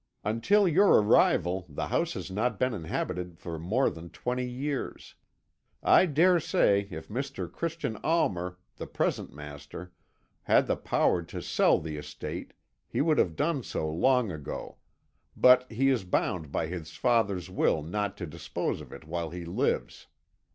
Until your arrival the house has not been inhabited for more than twenty years. I dare say if Mr. Christian Almer, the present master, had the power to sell the estate, he would have done so long ago, but he is bound by his father's will not to dispose of it while he lives.